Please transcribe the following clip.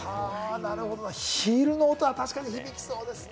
ヒールの音は確かに響きそうですね。